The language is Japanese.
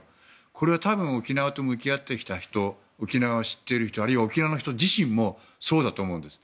これはたぶん沖縄と向き合ってきた人沖縄を知ってる人あるいは沖縄の人自身もそうだと思うんです。